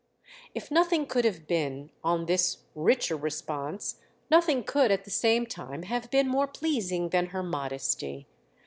If nothing could have been, on this, richer response, nothing could at the same time have bee more pleasing than her modesty.